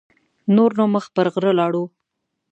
نور نو مخ پر غره لاړو.